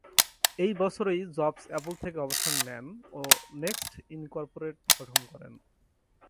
এই বছরই Jobs Apple থেকে অবসর নেন ও নেক্সট ইনকর্পোরেটেড গঠন করেন।